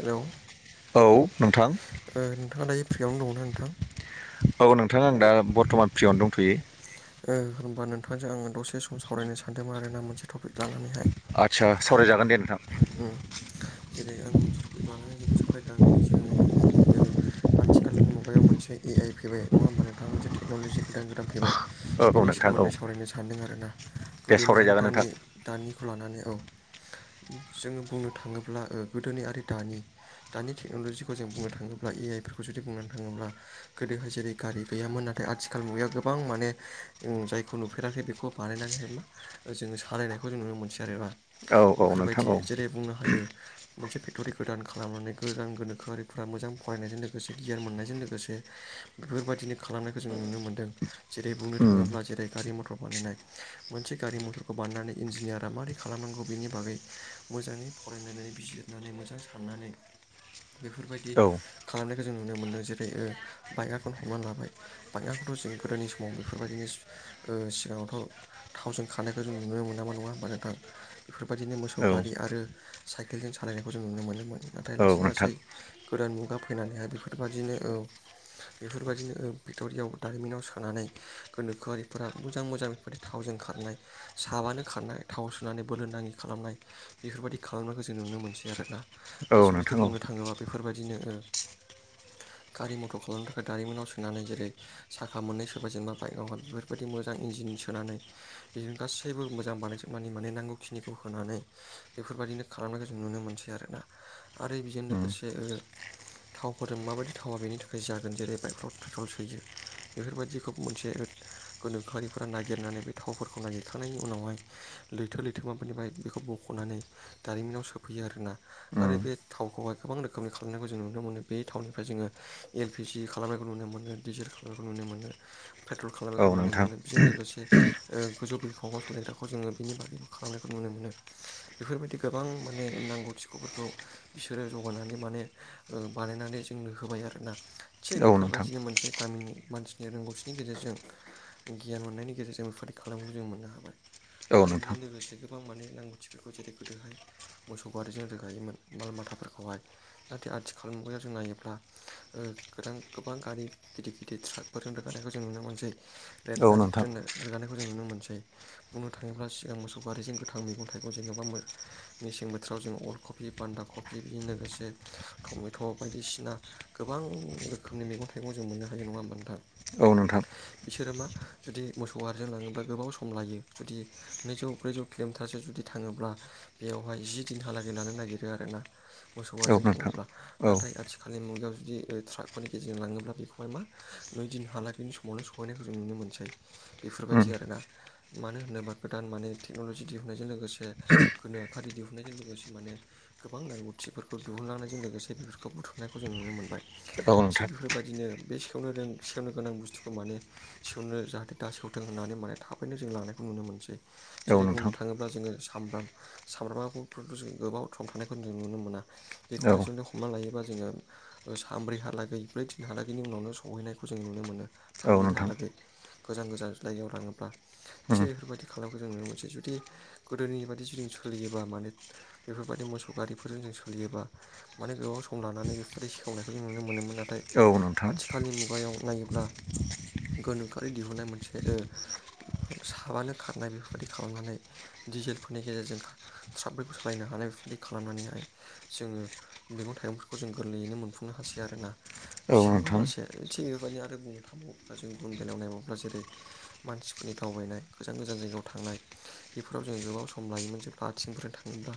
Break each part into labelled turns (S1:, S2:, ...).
S1: Hello ओ
S2: औ नोंथां
S1: नोंथांङा दायो फ्रियावनो दंङना नोंथां?
S2: औ नोंथां आं दा बरथमान फ्रियावनो दंथ'यो।
S1: ओ होनबा नोंथांजों आंङो दसे सम सावरायनो सानदोंमोन आरोना मोनसे टपिक लानानैहाय।
S2: आदसा सावरायजागोन दे नोंथां।
S1: उम जेरै आं मोनसे टपिक लानानै जेखौ सावराय लांदिनि जोंङो जेरै ओ आथिखालनि मुगायाव मोनसे ए आइ फैबाय नंङा होमबा नोंथा मोनसे टेकन'ल'जि गोदान गोदान फैबाय।
S2: औ औ
S1: बिनि
S2: नोंथां औ
S1: सोमोन्दै सावरायनो सानदों आरो ना।
S2: दे
S1: गोदोनि आरो
S2: सावरायजागोन नोंथां
S1: दानि दानिखौ लानानै औ। जोंङो बुंनो थांङोब्ला गोदोनि आरि दानि दानि टेक्न'लजिखौ जों बुंनो थांङोब्ला ए आइ फोरखौ जुदि बुंनो थांङोब्ला गोदोहाय जेरै गारि गैयामोन नाथाय आथिखाल खाल मुगाया गोबां माने जों जायखौ नुफेराखै बेखौ बानायनानैहाय मा जोंङो सालायनाय खौ जों नुनो मोनसै आरोबा।
S2: औ औ नोंथां
S1: बेफोरबायदि
S2: औ
S1: जेरै बुंनो हायो मोनसे फेक्ट'रि गोदान खालामनानै गोदान गोनोखोआरिफ्रा मोजां फरायनायजों लोगोसे गियान मोननायजों लोगोसे बेफोरबायदिनो खालामनायखौ जों नुनो मोनदों। जेरै बुंनो
S2: उम
S1: थांङोब्ला जेरै गारि मथर बानायनाय। मोनसे गारि मथरखौ बानायनानै इन्जिनियारा मारै खालामनांगौ बेनि बागै मोजांङै फरायनानै बिजिरनानै मोजां साननानै बेफोरबायदि
S2: औ
S1: खालामनायखौ जों नुनो मोनदों जेरै ओ बाइकआखौनो हमनान लाबाय बाइकआ बोथ' जों गोदोनि समाव बेफोरबायदिनो ओ सिगांङावथ' थावजों खारनायखौ जों नुनो मोनामोन नंङा होमबा नोंथां। बेफोरबायदिनो मोसौ
S2: औ
S1: गारि आरो साइकेलजों सालायनायखौ जों नुनो मोनोमोन नाथाय
S2: औ
S1: लासै
S2: नोंथां
S1: लासै गोदान मुगा फैनानैहाय बेफोरबायदिनो औ बेफोरबायदिनो ओ फेकट'रियाव दारिमिनाव सोनानै गोनोखोआरिफोरा मोजां मोजां बेफोरदि थावजों खारनाय साबानो खारनाय थाव सोनानै बोलो नाङि खालामनाय बेफोरबायदि खालामनायखौ जों नुनो मोनसै आरो ना
S2: औ नोंथां
S1: आसलथे
S2: औ
S1: बुंनो थाङोबा बेफोरबायदिनो ओ गारि मथर खालामनो थाखाय दारिमिनाव सोनानै जेरै साखा मोननै सोबाय जेनेबा बाइकआवहाय बेफोरबायदि मोजां इन्जिन सोनानै बिदिनो गासैबो मोजां बानायजोबनानै माने नांगौखिनिखौ होनानै बेफोरबायदिनो खालामनायखौ जों नुनो मोनसै आरोना आरो बेजों
S2: उम
S1: लोगोसे ओ थावफोरजों माबायदि थावा बेनि थाखाय जागोन जेरै बाइकफ्राव पेट्रल सोयो बेफोरबायदिखौ मोनसे ओथ गोनोखोआरिफोरा नागिरनानै बे थावफोरखौ नागिरखांनायनि उनावहाय लैथो लैथोमाफोरनिफ्राय बेखौ बख ख'नानै दारिमिनाव सोफैयो आरोना आरो
S2: उम
S1: बे थावखौहाय गोबां रोखोमनि खालामनायखौ जों नुनो मोनो बे थावनिफ्राय जोङो एलपिजि खालामनायखौ नुनो मोनो दिजेल खालामनायखौ नुनो मोनो पेट्रल
S2: औ
S1: खालामनायखौ नुनो
S2: नोंथां
S1: मोनो बिजों लोगोसे ओ गोजौ बिरखंआव सालायग्राखौ जोङो बेनि बागैबो खालामनायखौ नुनो मोनो बेफोरबायदि गोबां माने नांगौ थिख'फोरखौ बिसोरो जगायनानै माने ओ बानायनानै जोंनो होबाय आरोना थिग
S2: औ नोंथां
S1: बेफोरबायदिनो मोनसे गामिनि मानसिनि रोंगौथिनि गेजेरजों गियान मोननायनि गेजेरजों बेफोरबायदि खालामनायखौ जों मोननो हाबाय
S2: औ
S1: आरो बेजों
S2: नोंथां
S1: लोगोसे गोबां माने नांगौथिफोरखौ जेरै गोदोहाय मोसौ गारिजों रोगायोमोन माल माथाफोरखौहाय नाथाय आथिखाल मुगायाव जों नायोब्ला ओ गोदां गोबां गारि गिदि गिद दि ट्राकफोरजों रोगानायखौ जों नुनो मोनसै
S2: औ नोंथां औ नोंथां
S1: रेलगारिफोर जोंनो रोगानायखौ जों नुनो मोनसै बुंनो थाङोब्ला सिगां मोसौ गारिजों गोथां मैगं थाइगं जेन'बा मेसें बोथोराव जों अल कफि बान्दा कफि बेजों लोगोसे टमेट' बायदिसिना गोबां रोखोमनि मैगं थाइगं जों मोननो हायो नङा होमबा नोंथां?
S2: औ नोंथां
S1: बिसोरो मा जुदि मोसौ गारिजों लाङोब्ला गोबाव सम लायो जुदि नैजौ ब्रैजौ किल'मिटारसे जुदि थाङोब्ला बेयाहाय जि दिनहालागै लानो नागिरो आरोना मोसौ गारिजों थाङोब्ला
S2: औ उम
S1: नाथाय आथिखालनि मुगायाव जुदि ओ ट्राकफोरनि गेजेरजों लाङोब्ला बेखौ खौहाय मा नैदिन हालागैनि समावनो सहैनायखौ जों नुनो मोनसै बेफोरबायदि आरोना। मानो होनोबा गोदान माने टेक्न'लजि दिहुननायजों लोगोसे गोनोखोआरि दिहुननायजों लोगोसे माने गोबां नांगौथिफोरखौ दिहुनलांनायजों लोगोसे बेफोरखौ बुथुमनायखौ जों नुनो मोनबाय।
S2: औ नोंथां
S1: थिग बेफोरबायदिनो बे सेवनोरों सेवनो गोनां बुस्थुखौ माने सौवनो जाहाथे दा सौवथों होननानै माने थाबैनो जों लांनायखौ नुनो मोनसै।
S2: औ
S1: जेरै बुंनो
S2: नोंथां
S1: थाङोब्ला जोङो सामब्राम सामब्रामाखौ फोरखौ जों गोबाव सम थानायखौ जों नुनो मोना बेखौहाय
S2: औ
S1: जुनथे हमना लायोब जोङो ओ सनब्रै हालागै ब्रै थिन हालाग बेनि उनावनो सहैनायखौ जों नुनो मोनो थाम
S2: औ नोंथां
S1: दिनहालागै। गोजान गोजान ज्लायगायाव लाङोब्ला
S2: उम
S1: थिग बेफोरबायदि खालामखौ जों नुनो मोनसे जुदि गोदोनि बायदि जुदि जों सोलियोबा माने बेफोरबायदि मोसौ गारिफोरजों जों सोलियोबा माने गोबाव सम लानानै बेफोरबायदि सेवनायखौ जों नुनो मोनोमोन नाथाय
S2: औ नोंथां
S1: आथिखालनि मुगायाव नायोब्ला गोनोखोआरि दिहुनाय मोनसे ओ साबानो खारनाय बेफोरबायदि खालामनानै दिडिजेलफोरनि गेजेरजों ट्राफखौ सालायनो हानाय बेफोरबादि खालामनानैहाय जोङो मैगं थाइगंफोरखौ जों गोरलैयैनो मोनफुंनो हासै आरोना
S2: औ नोंथां उम
S1: थ'वलासे थिग बेबदिनो आरो बुंनो थाङबोब्ला जों गुबुन बेलायाव नायबोब्ला जेरै मानसिफोरनि दावबायनाय गोजान गोजान जायगायाव थांनाय बेफोराव जों गोबाव सम लायोमोन जे बाथिंफोरजों थाङोब्ला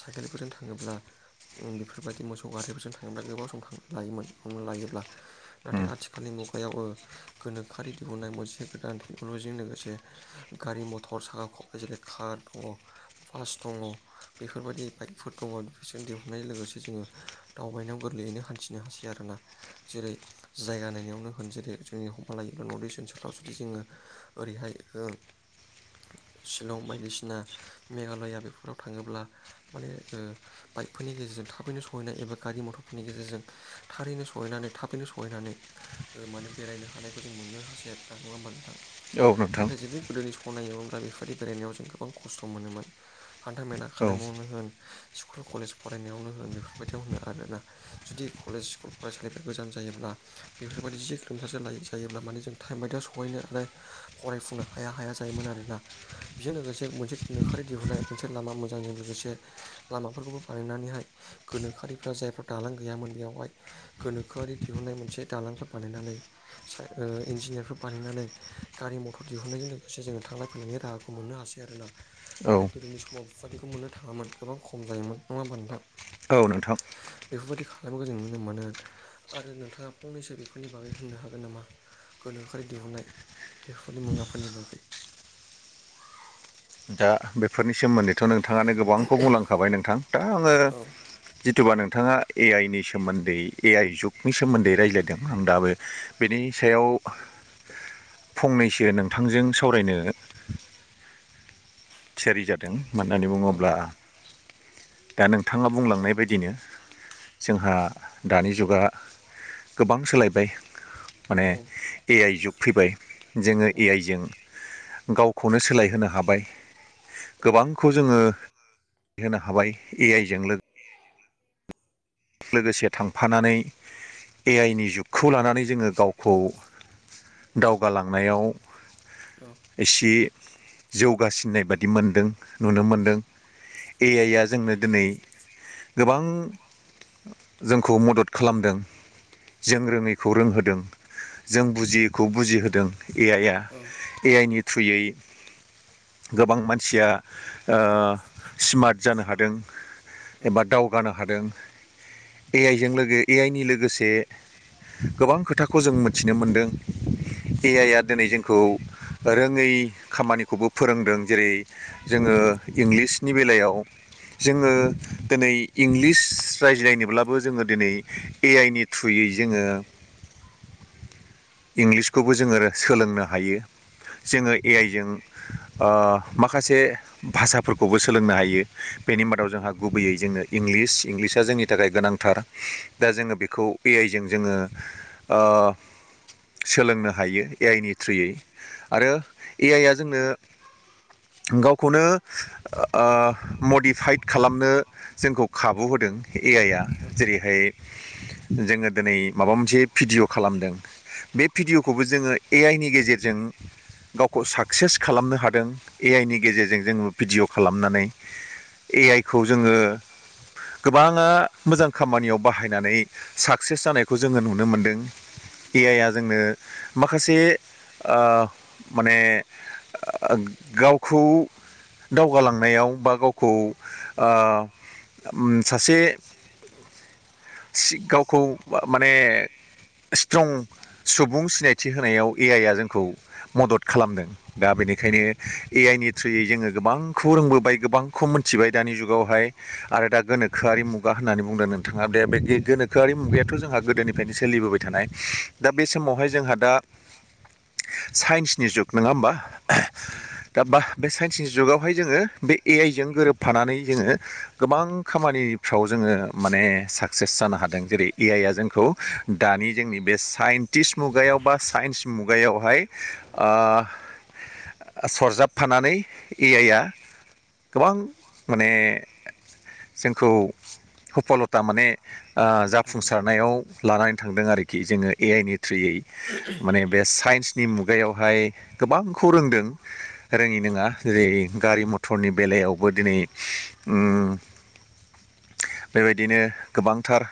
S1: साइकेलफोरजों थाङोब्ला बेफोरबायदि मोसौ गारिफोरजों थाङोब्ला गोबाव सम लायोमोन हमना लायोब्ला। नाथाय आथिखालनि मुगायाव ओ गोनोखोआरि दिहुननाय मोनसे गोदान टेक्न'ल'जिजों लोगोसे गारि मथर साखा खब्रै जेरै कार दङ, बास दङ बेफोरबायदि बाइकफोर दङ बेफोरजों दिहुननाय लोगोसे जोङो दावबायनायाव गोरलैयैनो हान्थिनो हासै आरोना जेरै। जायगा नायावनो होन जेरै जोंनि हमा लायोब्ला नर्थ इस्ट ओनसोलाव जुदि जोङो ओरैहाय ओ शिलं बायदिसिना मेघालया बेफोराव थाङोब्ला मानेओ बाइकफोरनि गेजेरजों थाबैनो सहैनाय एबा गारि मथरफोरनि गेजेरजों थारैनो सहैनानै थाबैनो सहैनानै ओ माने बेरायनो हानायखौ जों मोननो हासै आरोना नङा होमबा नोंथां।
S2: औ नोंथां
S1: नाथाय जुदि गोदोनि सनायोमोनब्ला बेफोरदि बेरायनायाव जों गोबां खस्थ' मोनोमोन। हान्थाामेला
S2: औ
S1: खालामबावनो होन। स्कुल कलेज फरायनायावनो होन बेफोरबायदियाव होनो आरोना जुदि कलेज स्कुल फरायसालि। गोजान जायोब्ला बेफोरबायदि जि किल'मिटारसो लायो जायोब्ला माने जों टाइम बायदियाव सहैनो हानाय। फरायफुनो हाया हाया जायोमोन आरोना। बेजों लोगोसे मोनसे गोनोखोरि दिहुननाय मोनसे लामा मोजांजों लोगोसे लामाफोरखौबो बानायनानैहाय। गोनोआरिफ्रा जायफ्रा दालां गैयामोन बेयावहाय। गोनोखोआरि दिहुनाय मोनसे दालांफोर बानायनानै इन्जिनियारफोर बानायनानै। गारि मथर दिहुननायजों लोगोसे जोङो थांलाय फैलायनि राहाखौ मोननो हासै आरोना। नाथाय
S2: औ
S1: गोदोनि समाव बेफाथिखौ मोननो थाङामोन गोबां खम जायोमोन नङा होमबा नोंथां।
S2: औ नोंथां।
S1: बेफोरबायदि खालामनायखौ जों नुनो मोनो। आरो नोंथाङा फंनैसो बेफोरनि बागै होननो हागोन नामा? गोनोखोयारि दिहुननाय। बेफोरनि मुवाफोरनि बागै।
S2: दा बेफोरनि सोमोन्दैथ' नोंथाङानो गोबांखौ बुंलांखाबाय नोंथां दा आङो
S1: औ
S2: जिथुबा नोंथाङा ए आइ नि सोमोन्दै ए आइ जुगनि सोमोन्दै रायज्लायदों आं दाबो बेनि सायाव फंनैसो नोंथांजों सावरायनो। थियारि जादों मानोहोननानै
S1: औ
S2: बुङोब्ला। दा नोंथाङा बुंलांनाय बायदिनो जोंहा। दानि जुगा गोबां सोलायब बाय माने ए आइ जुग फैबाय जोङो ए आइ जों गावखौनो सोलायहोनो हाबाय। गोबांखौ जोङो होनो हाबाय ए आइ ज लोगो लोगोसे थांफानानै ए आइ नि जुगखौ लानानै जोङो गावखौ दावगालांनायाव।
S1: औ
S2: एसे जौगासिननाय बादि मोनदों नुनो मोनदों। ए
S1: औ
S2: आइ आ जोंनो दिनै गोबां। जोंखौ मदद खालामदों। जों रोङैखौ रोंहोदों जों बुजियैखौ बुजिहोदों ए आइया। ए आइ नि थ्रुयै गोबां मान मानसिया सिमार्ट जानो हादों
S1: औ
S2: एबा दावगानो हादों। ए आइजों लोगो ए आइ नि लोगोसे गोबां खोथाखौ जों मिथिनो मोन्दों। ए आइ आ दिनै जोंखौ रोङै खामानिखौबो फोरोंदों जेरै जोङो इंलिसनि बेलायाव जोङो दिनै इंलिस। रायज्लायनोब्लाबो जोङो दिनै ए आइ नि थ्रुयै जोङो इंलिसखौबो जोङो रो सोलोंनो हायो। जोङो ए आइजों ओ माखासे भाषाफोरखौबो सोलोंनो हायो बेनि मादाव जोंहा गुबैयै जोंङो इंलिस इंलिस नि थाखाय गोनांथार दा जोङो बेखौ ए आइ जों जोङो ओ सोलोंनो हायो ए आइ नि थ्रुयै आरो ए आइ आ जोंनो गावखौनो ओ मडिफाइद खालामनो जोंखौ खाबु होदों। ए आइ आ जेरैहाय जोङो दिनै माबा मोनसे भिडिय' खालामदों बे भिडिअ'खौबो जोङो ए आइ नि गेजेरजों गाव साक्सेस खालामनो हादों ए आइ नि गेजेरजों जोङो भिडिय' खालामनानै। ए आइ खौ जोङो गोबाङा मोजां खामानियाव बाहायनानै साक्सेस जानायखौ जोङो नुनो मोनदों
S1: औ
S2: ए आइ आ जोंनो माखासे ओ माने ओ गावखौ दावगालांनायाव बा गावखौ
S1: सासे
S2: गावखौ माने सिथ्रं सुबुं सिनायथि होनायाव ए आइ आ जोंखौ मदद खालामदों। दा
S1: औ
S2: बेनिखायनो ए आइ नि थ्रुयै जोङो गोबांखौ रोंबोबाय गोबांखौ मिथिबाय दानि जुगावहाय। आरो दा गोनोख खोआरि मुगा होन्नानै बुंदों नोंथाङा बे बे गोनोखोआरि मुगायाथ' जोंहा गोदोनिफ्रायनो सोलिबोबाय थानाय। दा बे समावहाय जोंहा दा
S1: [unintelligible]
S2: साइन्सनि जुग नङा होमबा?
S1: औ
S2: दा बा बे साइन्सनि जुगावहाय जोङो बे ए आइ जों गोरोबफानानै जोङो गोबां खामानिफ्राव जोङो माने साक्सेस जानो हादों जेरै ए आइ आ जोंखौ दानि जोंनि बे साइन्टिस्ट मुगायाव बा साइन्स मुगायावहाय आ सरजाबफानानै ए आइ आ गोबां माने जोंखौ
S1: मदद होदों औ
S2: हुफलथा माने आ जाफुंसारनायाव लानानै थांदों आरोखि जोङो ए आइ नि थ्रुयै माने बे साइन्स नि मुगायावहाय गोबांखौ रोंदों रोङि नङा जेरै गारि मथरनि बेलायावबो दिनै बेबायदिनो गोबांथार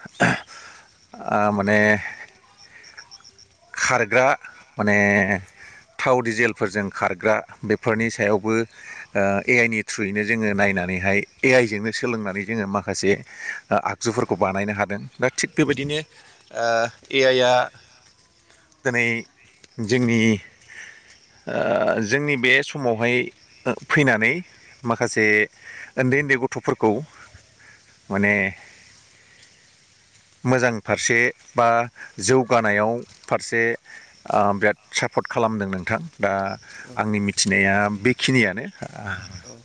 S2: आ माने खारग्रा माने थाव दिजेलफोरजों खारग्रा बेफोरनि सायावबो ओ ए आइ नि थ्रुयैनो जोङो नायनानैहाय ए आइजोंनो सोलोंनानै जोङो माखासे आगजुफोरखौ बानायनो हादों दा थिग बेबायदिनो ओ ए आइ आ दिनै जोंनि ओ जोंनि बे समावहाय फैनानै माखासे उन्दै उन्दै गथ'फोरखौ माने मोजां फारसे बा जौगानायाव फारसे आ बिराद सापर्ट खालामदों नोंथां दा आंनि मिथिनाया बेखिनियानो
S1: औ।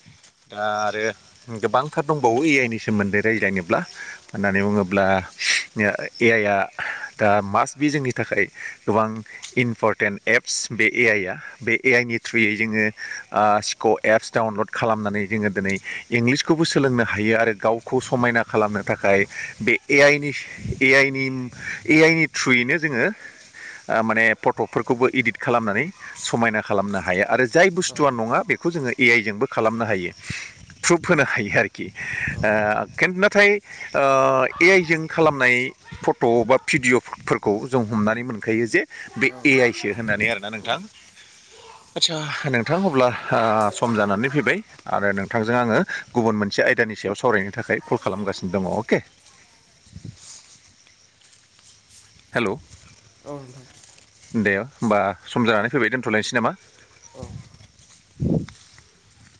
S2: आ आरो गोबांथार दंबावो ए आइ नि सोमोन्दै रायज्लायनोब्ला। होननानै बुङोब्ला ए आइआ दा मास बि जोंनि थाखाय गोबां इमपरटेन्ट एप्स बे ए आइ आ बे ए आइ नि थ्रुयै जोङो सिक' एप्स डाउनलड खालामनानै जोङो दिनै इंलिसखौबो सोलोंनो हायो आरो गावखौ समायना खालामनो। थाखाय बे ए आइ नि आइ नि ए आइ नि थ्रुयैनो जोङो ओ माने फट'फोरखौबो इदिट खालामनानै समायना खालामनो हायो आरो जाय बुस्थु नङा बेखौ जोङो ए आइ जोंबो खालामनो हायो। प्रुफ होनो हायो आरोखि। ओ खेथ नाथाय ओ ए आइ जों खालामनाय फट' बा भिडिअ'फोरखौ जों हमनानै मोनखायो जे बे
S1: औ
S2: ए आइ सो होननानै आरोना नोंथां। आच्छा नोंथां अब्ला
S1: औ
S2: सम जानानै फैबाय आरो नोंथांजों आङो गुबुन मोनसे आयदानि सायाव सा सावरायनो थाखाय कल खालामगासिनो दङ अके हेलौ
S1: औ नोंथां।
S2: दे होमबा सम जानानै फैबाय दोन्थ'लायनोसै नामा?
S1: औ